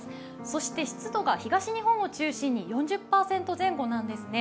そして湿度が東日本を中心に４０％前後なんですね。